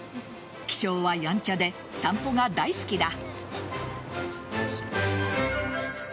気性はやんちゃで散歩が大好きだ。